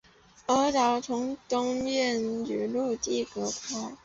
鹅岛从东面与陆地隔开。